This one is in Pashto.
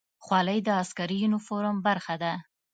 خولۍ د عسکري یونیفورم برخه ده.